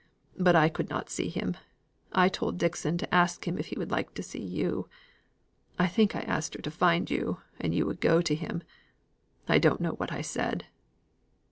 But I could not see him. I told Dixon to ask him if he would like to see you I think I asked her to find you, and you would go to him. I don't know what I said."